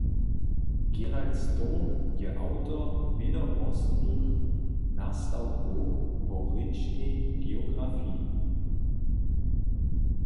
Gerald Stone je awtor wědomostnych nastawkow wo rěčnej geografiji.